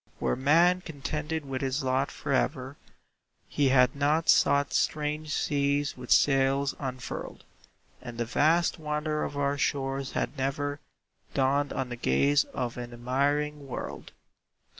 Were man contented with his lot forever, He had not sought strange seas with sails unfurled, And the vast wonder of our shores had never Dawned on the gaze of an admiring world.